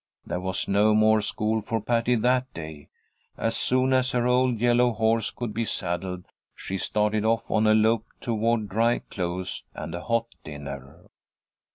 There was no more school for Patty that day. As soon as her old yellow horse could be saddled, she started off on a lope toward dry clothes and a hot dinner.